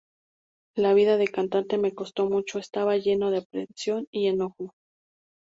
La vida de cantante me costó mucho; estaba lleno de aprensión y enojo.